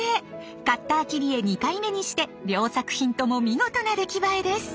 カッター切り絵２回目にして両作品とも見事な出来栄えです。